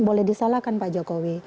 boleh disalahkan pak jokowi